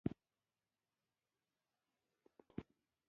زموږ لمر د یو ټاکلي لور خوا ته په حرکت کې ده.